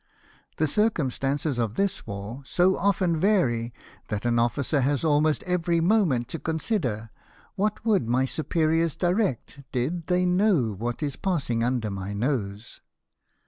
The circumstances of this war so often vary that an officer has almost every moment to consider what would my superiors direct did they know what is passing under my nose.